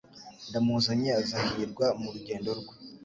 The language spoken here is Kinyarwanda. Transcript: ndamuzanye azahirwa mu rugendo rwe